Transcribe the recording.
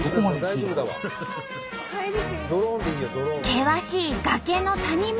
険しい崖の谷間。